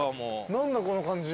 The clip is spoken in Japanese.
何だこの感じ。